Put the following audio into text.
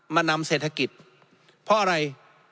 นำเศรษฐกิจเพราะอะไร